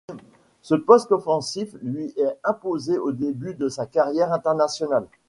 Ce poste offensif lui est imposé au début de sa carrière internationale.